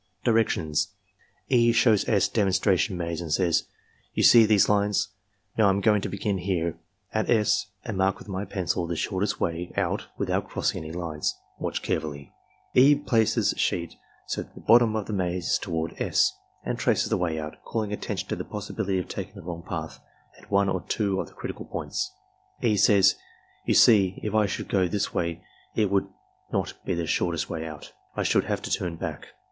Directions. — E. shows S. demonstration maze and says: " You see these lines. Now, I am going to begin here at S and mark with my pencil the shortest way out without crossing any lines. Watch carefully." E. places sheet so that the bottom of the maze is toward S., and traces the way out, calling attention to the possibility of taking the wrong path at one or two of the critical points. E. says: "You see, if I should go this way, it would not be the shortest way out. I should have to turn back.''